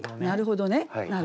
なるほど。